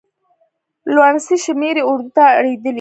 لوڼسې شمېرې اردو ته اړېدلي.